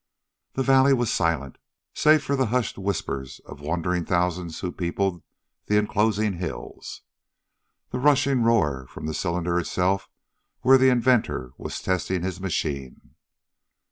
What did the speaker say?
The valley was silent, save for the hushed whispers of wondering thousands who peopled the enclosing hills, and the rushing roar from the cylinder itself where the inventor was testing his machine.